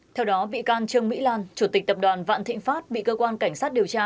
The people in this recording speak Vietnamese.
theo đó bị can trương mỹ lan chủ tịch tập đoàn vạn thịnh pháp bị cơ quan cảnh sát điều tra